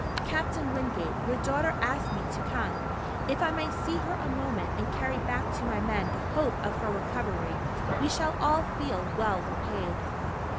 Captain Wingate, your daughter asked me to come. If I may see her a moment, and carry back to my men the hope of her recovery, we shall all feel well repaid."